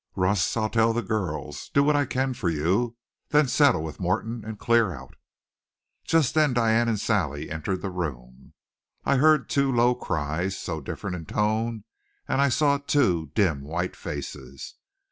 "Russ, I'll tell the girls, do what I can for you, then settle with Morton and clear out." Just then Diane and Sally entered the room. I heard two low cries, so different in tone, and I saw two dim white faces.